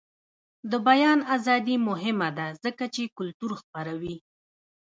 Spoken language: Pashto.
د بیان ازادي مهمه ده ځکه چې کلتور خپروي.